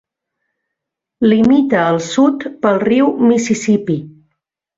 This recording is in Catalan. Limita al sud pel riu Mississippi.